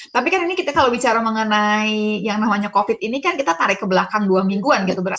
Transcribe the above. tapi kan ini kita kalau bicara mengenai yang namanya covid ini kan kita tarik ke belakang dua mingguan gitu berarti